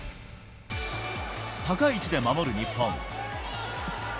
高い位置で守る日本。